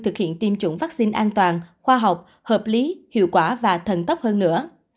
thực hiện tiêm chủng vaccine an toàn khoa học hợp lý hiệu quả và thần tốc hơn nữa